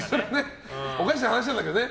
おかしな話だけどね。